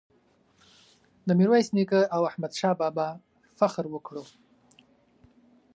د میرویس نیکه او احمد شاه بابا فخر وکړو.